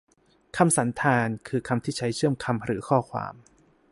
คำสันธาน คือคำที่ใช้เชื่อมคำหรือข้อความ